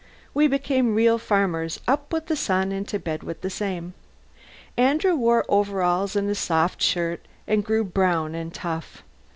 We became real farmers, up with the sun and to bed with the same. Andrew wore overalls and a soft shirt and grew brown and tough.